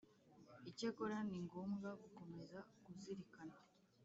icyakora ni ngombwa gukomeza kuzirikana